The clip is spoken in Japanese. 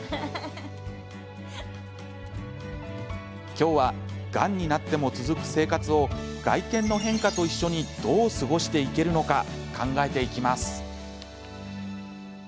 今日はがんになっても続く生活を外見の変化と一緒にどう過ごしていけるのか考えていきます。